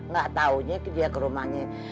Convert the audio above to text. gak taunya dia ke rumahnya